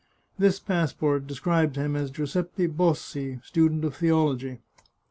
This passport described him as Giuseppe Bossi, student of theology.